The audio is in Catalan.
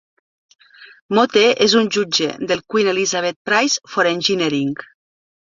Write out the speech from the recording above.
Mote és un jutge del Queen Elizabeth Prize for Engineering.